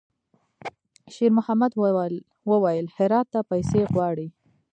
شېرمحمد وويل: «هرات ته پیسې غواړي.»